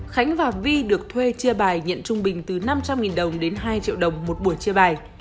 khánh và vi được thuê chia bài nhận trung bình từ năm trăm linh đồng đến hai triệu đồng một buổi chia bài